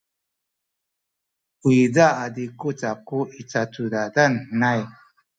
uyza a zikuc aku i cacudadan henay.